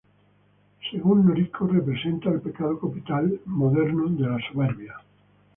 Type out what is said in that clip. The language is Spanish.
Según Noriko, representa el pecado capital moderno de la "Soberbia".